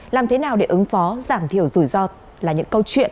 làm thế nào để ứng phó giảm thiểu rủi ro là những câu chuyện